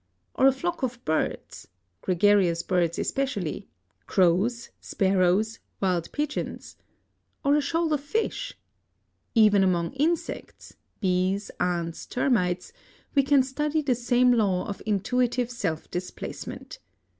Or a flock of birds gregarious birds especially: crows, sparrows, wild pigeons? Or a shoal of fish? Even among insects bees, ants, termites we can study the same law of intuitive self displacement.